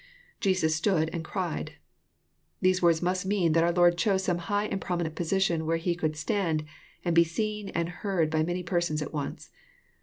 f> [Jesua stood and cried."] These words mnst mean that oar liOrd chose some high and prominent position, where He coald *' stand " and be se^n^nd heard by many persons at once.